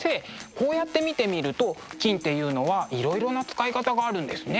こうやって見てみると金っていうのはいろいろな使い方があるんですね。